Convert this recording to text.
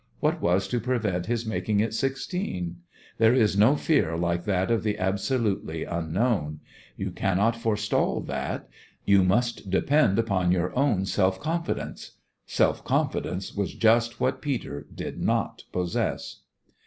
What was to prevent his making it sixteen? There is no fear like that of the absolutely unknown. You cannot forestall that; you must depend upon your own self confidence. Self confidence was just what Peter did not possess.